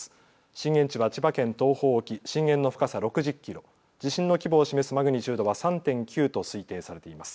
震源地は千葉県東方沖、震源の深さ６０キロ、地震の規模を示すマグニチュードは３．９と推定されています。